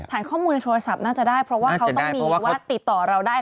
ข้อมูลในโทรศัพท์น่าจะได้เพราะว่าเขาต้องมีว่าติดต่อเราได้